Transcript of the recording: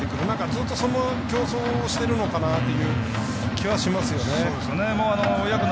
ずっとその競争をしてるのかなという気はしますよね。